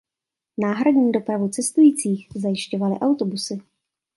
Náhradní dopravu cestujících zajišťovaly autobusy.